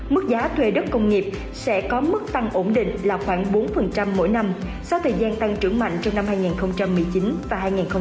mức giá thuê đất công nghiệp sẽ có mức tăng ổn định là khoảng bốn mỗi năm sau thời gian tăng trưởng mạnh trong năm hai nghìn một mươi chín và hai nghìn hai mươi